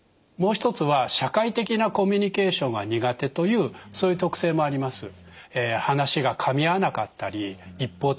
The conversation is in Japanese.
もう一つは社会的なコミュニケーションが苦手というそういう特性もあります。